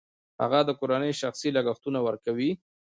هغه د کورنۍ شخصي لګښتونه ورکوي